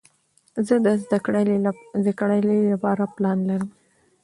زه د زده کړې له پاره پلان لرم.